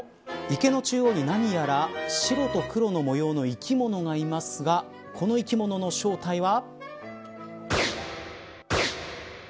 池の中央に何やら白と黒の模様の生き物がいますがこの生き物の正体は。